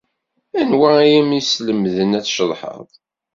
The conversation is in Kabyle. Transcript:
Anwa ay am-yeslemden ad tceḍḥed?